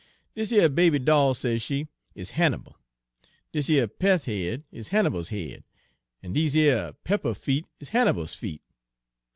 " 'Dis yer baby doll,' sez she, 'is Hannibal. Dis yer peth head is Hannibal's head, en dese yer pepper feet is Hannibal's feet.